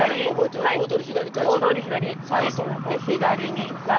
で左に行ったら。